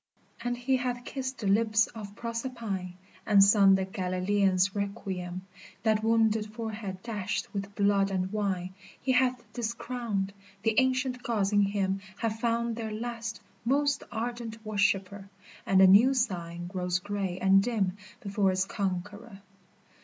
And he hath kissed the lips of Proserpine, And sung the Galilaean's requiem, That wounded forehead dashed with blood and wine He hath discrowned, the Ancient Gods in him Have found their last, most ardent worshiper, And the new Sign grows gray and dim before its conqueror.